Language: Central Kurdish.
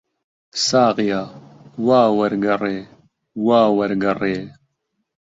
ساقییا، وا وەرگەڕێ، وا وەرگەڕێ!